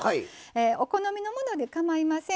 お好みのものでかまいません。